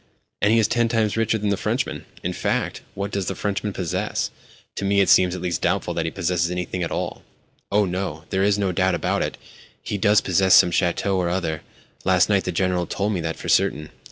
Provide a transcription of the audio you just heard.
"And he is ten times richer than the Frenchman. In fact, what does the Frenchman possess? To me it seems at least doubtful that he possesses anything at all." "Oh, no, there is no doubt about it. He does possess some château or other. Last night the General told me that for certain.